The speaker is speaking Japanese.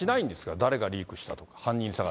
誰がリークしたとか、犯人探し。